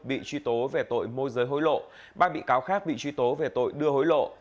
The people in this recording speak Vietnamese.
bị truy tố về tội môi giới hối lộ ba bị cáo khác bị truy tố về tội đưa hối lộ